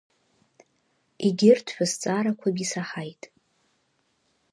Егьырҭ шәызҵаарақәагьы саҳаит.